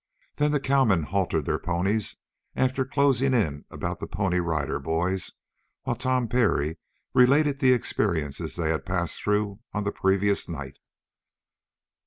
Then the cowmen halted their ponies, after closing in about the Pony Rider Boys, while Tom Parry related the experiences they had passed through on the previous night.